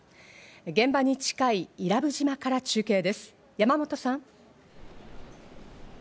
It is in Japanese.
現場に近い伊良部島から中継です、山本さん。